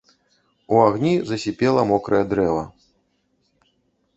У агні засіпела мокрае дрэва.